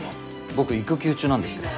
僕育休中なんですけど。